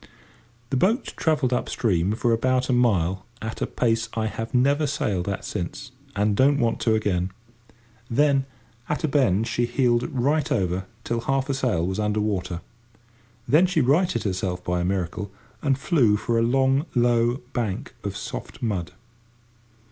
The boat travelled up stream for about a mile at a pace I have never sailed at since, and don't want to again. Then, at a bend, she heeled over till half her sail was under water. Then she righted herself by a miracle and flew for a long low bank of soft mud.